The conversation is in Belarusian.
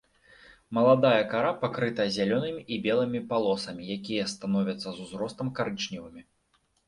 Маладая кара пакрыта зялёнымі і белымі палосамі, якія становяцца з узростам карычневымі.